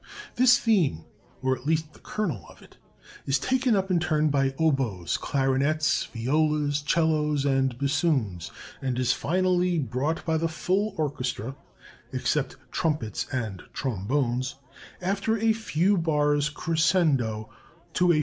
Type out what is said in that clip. This theme, or at least the kernel of it, is taken up in turn by oboes, clarinets, violas, 'cellos, and bassoons, and is finally brought by the full orchestra, except trumpets and trombones, after a few bars crescendo, to a